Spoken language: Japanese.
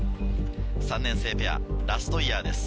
３年生ペアラストイヤーです。